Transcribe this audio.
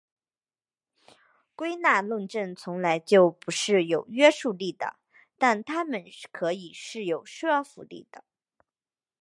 归纳论证从来就不是有约束力的但它们可以是有说服力的。